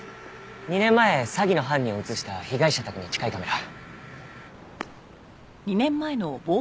２年前詐欺の犯人を映した被害者宅に近いカメラ。